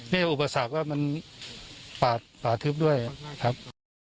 นี่อุปสรรคว่ามันป่าทึบด้วยครับ